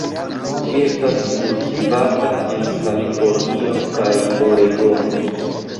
Ĝi estas kultivata en Kalifornio kaj Oregono.